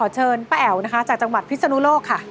เชิญป้าแอ๋วนะคะจากจังหวัดพิศนุโลกค่ะ